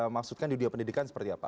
maksudkan di video pendidikan seperti apa